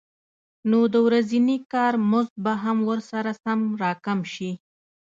نو د ورځني کار مزد به هم ورسره سم راکم شي